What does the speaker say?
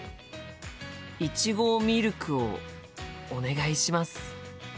いちごミルクをお願いします。